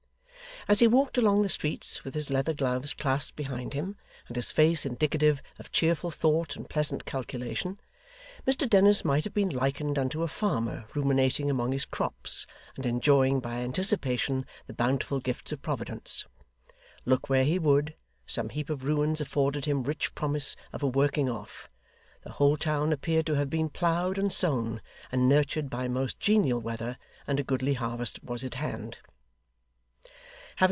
As he walked along the streets with his leather gloves clasped behind him, and his face indicative of cheerful thought and pleasant calculation, Mr Dennis might have been likened unto a farmer ruminating among his crops, and enjoying by anticipation the bountiful gifts of Providence. Look where he would, some heap of ruins afforded him rich promise of a working off; the whole town appeared to have been ploughed and sown, and nurtured by most genial weather; and a goodly harvest was at hand.